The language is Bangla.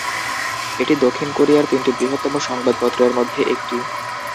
এটি দক্ষিণ কোরিয়ার তিনটি বৃহত্তম সংবাদপত্রের মধ্যে একটি।